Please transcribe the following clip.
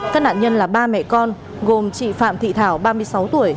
các nạn nhân là ba mẹ con gồm chị phạm thị thảo ba mươi sáu tuổi